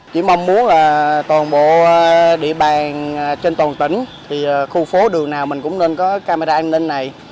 chỉ mong muốn là toàn bộ địa bàn trên toàn tỉnh thì khu phố đường nào mình cũng nên có camera an ninh này